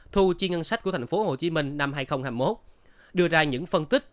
thu chi ngân sách của thành phố hồ chí minh năm hai nghìn hai mươi một đưa ra những phân tích